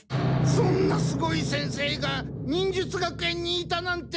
そんなすごい先生が忍術学園にいたなんて。